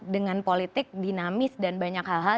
dengan politik dinamis dan banyak hal hal